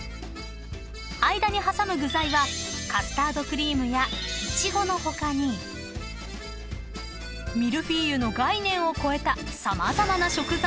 ［間に挟む具材はカスタードクリームやイチゴの他にミルフィーユの概念を超えた様々な食材がのります］